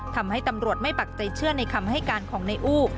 ทำให้ตำรวจไม่ปักใจเชื่อในคำให้การของนายอู้